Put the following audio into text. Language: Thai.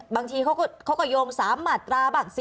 บางทีเขาก็โยง๓มาตราบ้าง